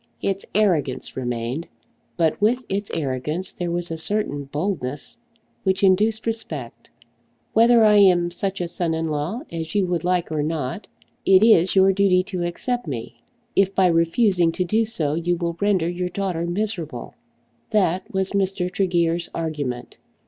Its arrogance remained, but with its arrogance there was a certain boldness which induced respect. Whether I am such a son in law as you would like or not, it is your duty to accept me, if by refusing to do so you will render your daughter miserable. That was Mr. Tregear's argument.